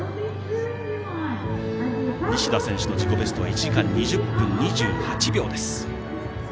西田選手の自己ベストは１時間２０分２８秒です。